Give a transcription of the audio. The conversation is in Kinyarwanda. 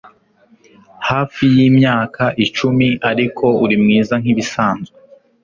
Hafi yimyaka icumi ariko uri mwiza nkibisanzwe